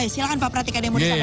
silahkan pak pratika demunis